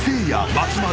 松丸。